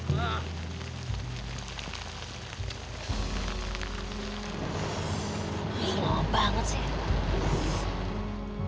lama banget sih